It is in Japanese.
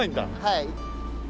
はい。